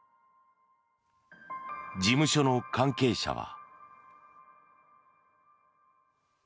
事務所の関係者は。